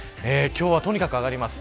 今日は、とにかく上がります。